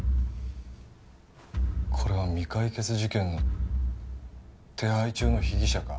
これは未解決事件の手配中の被疑者か？